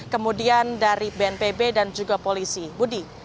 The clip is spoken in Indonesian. kemudian dari bnpb dan juga polisi budi